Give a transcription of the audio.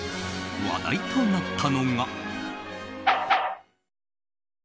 話題となったのが。